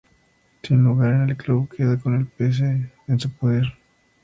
Sin lugar en el club, queda con el pase en su poder.